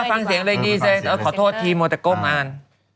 อ่าฟังเสียงเลยดีสิขอโทษทีมโมเตะโก้มอ่าน